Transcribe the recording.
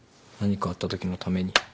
何かあったときのために。